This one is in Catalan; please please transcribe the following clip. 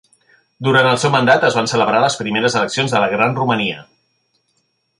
Durant el seu mandat, es van celebrar les primeres eleccions de la Gran Romania.